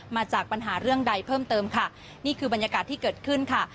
มาจากปัญหาเรื่องใดเพิ่มเติมค่ะนี่คือบรรยากาศที่เกิดขึ้นค่ะ